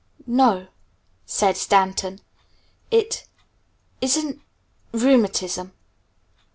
"No," said Stanton. "It isn't rheumatism."